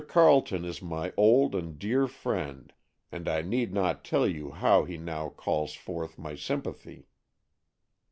Carleton is my old and dear friend, and I need not tell you how he now calls forth my sympathy."